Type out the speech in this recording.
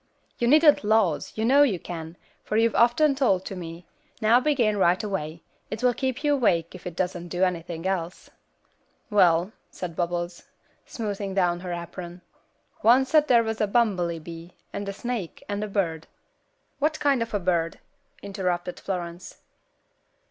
"You needn't 'laws,' you know you can, for you've often told them to me; now begin, right away; it will keep you awake if it doesn't do anything else." "Well," said Bubbles, smoothing down her apron, "oncet they was a bummelybee, and a snake, and a bird." "What kind of a bird?" interrupted Florence.